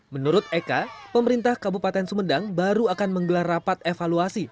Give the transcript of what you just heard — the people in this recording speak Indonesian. menurut eka pemerintah kabupaten sumedang baru akan menggelar rapat evaluasi